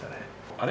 あれ？